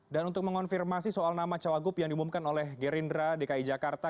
dan untuk mengonfirmasi soal nama cowok gub yang diumumkan oleh gerindra dki jakarta